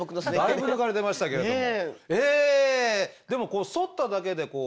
だいぶ抜かれてましたけれども。